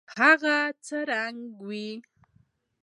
هغه څه رنګه وه.